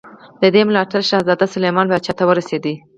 د دې ملاتړ له امله شهزاده سلیمان پاچاهي ته ورسېد.